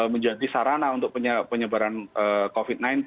menjadi sarana untuk penyebaran covid sembilan belas